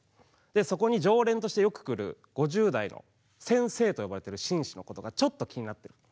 そこに常連としてよく来る５０代の先生と呼ばれている紳士のことがちょっと気になっている。